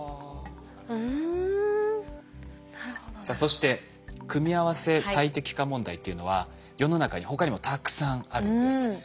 さあそして組合せ最適化問題っていうのは世の中に他にもたくさんあるんです。